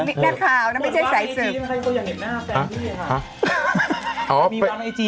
นักข่าวน่ะไม่ใช่สายเสิร์ฟมีวางไอจีไหมใครอยากเห็นหน้าแฟนพี่